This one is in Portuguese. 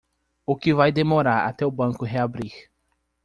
O que vai demorar até o banco reabrir?